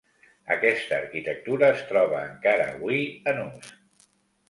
Aquesta arquitectura es troba, encara avui, en ús.